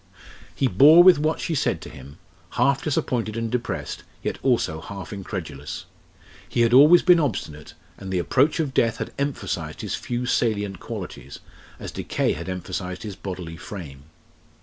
He bore with what she said to him, half disappointed and depressed, yet also half incredulous. He had always been obstinate, and the approach of death had emphasised his few salient qualities, as decay had emphasised the bodily frame.